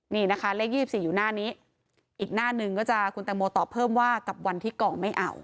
นี่นะคะเลข๒๔อยู่หน้านี้อีกหน้าหนึ่งก็จะคุณแตงโมตอบเพิ่มว่ากับวันที่กองไม่เอา